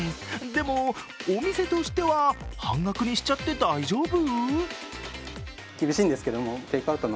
でも、お店としては半額にしちゃって大丈夫？